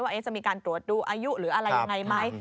ว่าจะมีการตรวจดูอายุหรืออะไรยังไงไหม